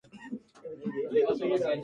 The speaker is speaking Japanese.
エストレマドゥーラ州の州都はメリダである